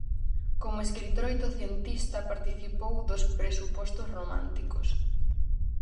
Como escritor oitocentista, participou dos presupostos románticos.